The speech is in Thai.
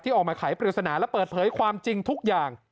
ที่ออกมาขายเปรียสนาและเปิดเผยความจริงทุกอย่าง